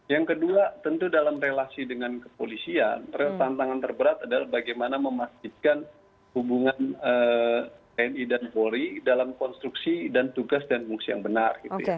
yang kedua tentu dalam relasi dengan kepolisian tantangan terberat adalah bagaimana memastikan hubungan tni dan polri dalam konstruksi dan tugas dan fungsi yang benar